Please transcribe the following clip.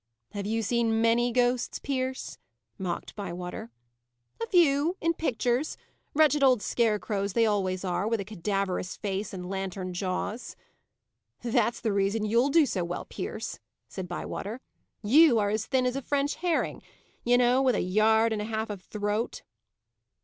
"Have you seen many ghosts, Pierce?" mocked Bywater. "A few; in pictures. Wretched old scarecrows they always are, with a cadaverous face and lantern jaws." "That's the reason you'll do so well, Pierce," said Bywater. "You are as thin as a French herring, you know, with a yard and a half of throat."